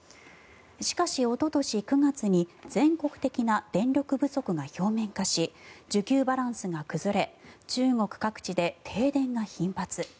しかし、おととし９月に全国的な電力不足が表面化し需給バランスが崩れ中国各地で停電が頻発。